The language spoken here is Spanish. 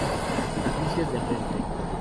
Servicios de Renfe